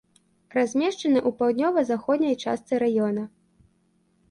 Размешчаны ў паўднёва-заходняй частцы раёна.